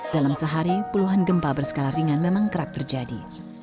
dalam sehari puluhan gempa berskala ringan memang kerap terjadi